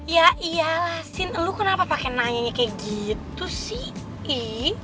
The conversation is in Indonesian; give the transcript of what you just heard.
ya iyalah sin lo kenapa pake nanya kayak gitu sih i